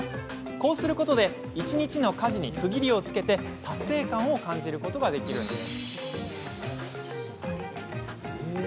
こうすることで一日の家事に区切りをつけ達成感を感じることができるんです。